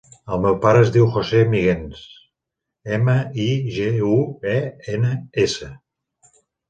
El meu pare es diu José Miguens: ema, i, ge, u, e, ena, essa.